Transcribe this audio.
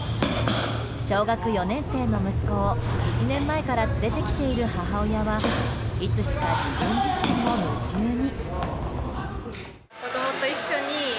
小学４年生の息子を１年前から連れてきている母親はいつしか自分自身も夢中に。